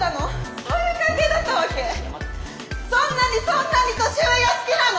そんなにそんなに年上が好きなの？